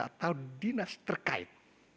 atau dinas terkait